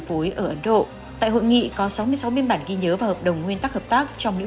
phối ở ấn độ tại hội nghị có sáu mươi sáu biên bản ghi nhớ và hợp đồng nguyên tắc hợp tác trong lĩnh